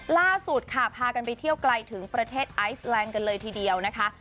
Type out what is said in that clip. ล่าสุดค่ะพากันไปเที่ยวไกลถึงประเทศไอซแลนด์กันเลยทีเดียวนะคะ